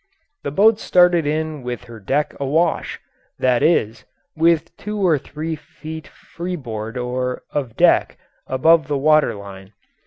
The boat started in with her deck awash that is, with two or three feet freeboard or of deck above the water line.